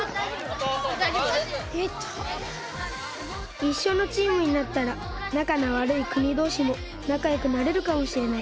いっしょのチームになったらなかのわるいくにどうしもなかよくなれるかもしれない。